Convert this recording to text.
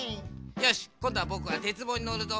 よしこんどはぼくはてつぼうにのるぞ。